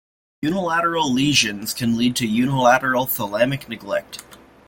Unilateral lesions can lead to unilateral thalamic neglect.